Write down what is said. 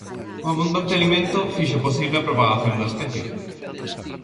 O abundante alimento fixo posible a propagación da especie.